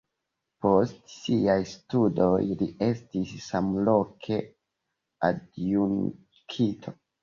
Post siaj studoj li estis samloke adjunkto.